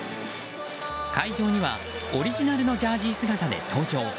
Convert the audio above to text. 会場には、オリジナルのジャージー姿で登場。